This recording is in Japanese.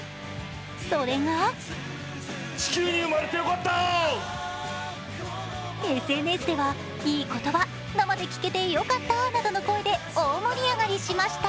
それがＳＮＳでは、いい言葉、生で聞けてよかったなどの声で大盛り上がりしました。